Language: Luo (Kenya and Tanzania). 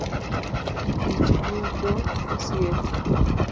Ich bugo osiepa